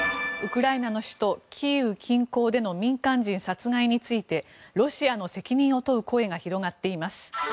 ウクライナの首都キーウ近郊での民間人殺害についてロシアの責任を問う声が広がっています。